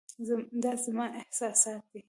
دا زما احساسات دي .